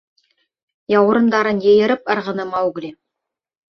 Яурындарын йыйырып ырғыны Маугли.